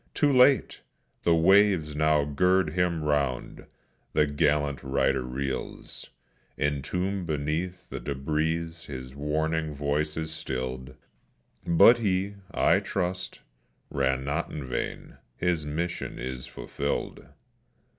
Too late! the waves now gird him round; the gallant rider reels; Entombed beneath the debris his warning voice is stilled, But he, I trust, ran not in vain; his mission is fulfilled.